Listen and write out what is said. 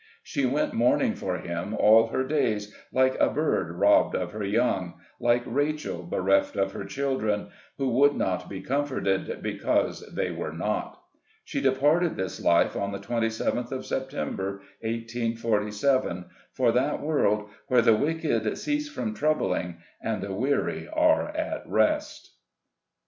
She went mourn ing for him all her days, like a bird robbed of her young — like Rachel bereft of her children, who would not be comforted, because they were not. She departed this life on the 27th of September, 1847, for that world "where the wicked cease from troubling, and the weary are at rest."